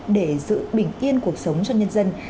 để giữ bình yên cuộc sống cho nhân dân